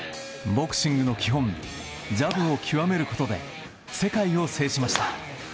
ボクシングの基本ジャブを極めることで世界を制しました。